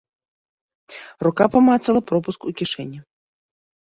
Рука памацала пропуск у кішэні.